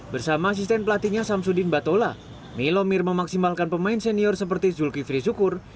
bersama asisten pelatihnya samsudin batola melomir memaksimalkan pemain senior seperti zulkifri syukur